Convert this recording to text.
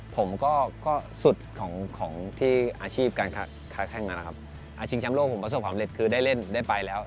ผมก็สุดของที่อาชีพการค้าแข้งนะครับชิงแชมป์โลกผมประสบความเร็จคือได้เล่นได้ไปแล้ว